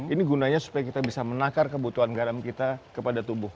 ini gunanya supaya kita bisa menakar kebutuhan garam kita kepada tubuh